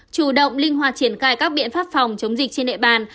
chủ động linh hoạt triển khai các biện pháp phòng chống dịch trên địa bàn